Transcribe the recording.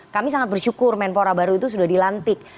kami sangat bersyukur menpora baru itu sudah dilantik